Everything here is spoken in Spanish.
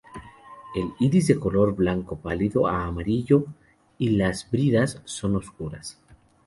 El iris es de color blanco pálido a amarillo y las bridas son oscuras.